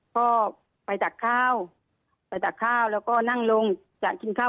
ก็ไปจัดข้าวไปจัดข้าวแล้วก็นั่งลงจะคิดข้าว